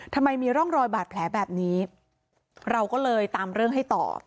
ทำไมมีร่องรอยบาดแผลแบบนี้เราก็เลยตามเรื่องให้ต่อ